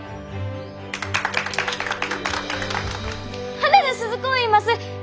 花田鈴子いいます！